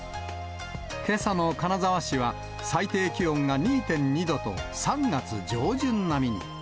けさの金沢市は、最低気温が２．２度と、３月上旬並みに。